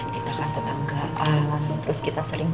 kita kan tetanggaan terus kita sering